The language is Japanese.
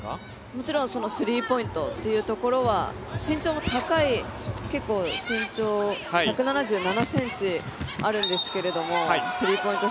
もちろんスリーポイントというところは、身長も高い１７７ｃｍあるんですけどスリーポイント